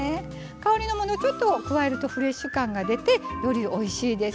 香りの物、ちょっと加えるとフレッシュ感が出てよりおいしいです。